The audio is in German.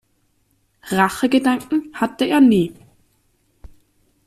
Rachegedanken hatte er nie.